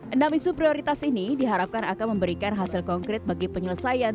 enam isu prioritas ini diharapkan akan memberikan hasil konkret bagi penyelesaian